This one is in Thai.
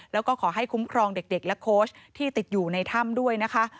แล้วก็ขอให้คุ้มครองเด็กและโค้ชที่ติดอยู่ในถ้ำด้วยนะคะ